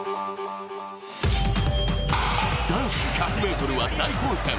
男子１００ｍは大混戦。